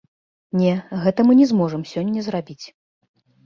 Не, гэта мы не зможам сёння зрабіць.